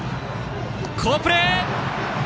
好プレー！